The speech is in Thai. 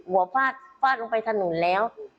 หัวฟาดฟาดลงไปถนนแล้ว